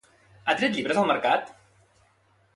Ha tret llibres al mercat?